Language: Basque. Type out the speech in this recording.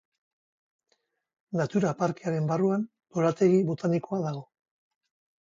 Natura parkearen barruan lorategi botanikoa dago.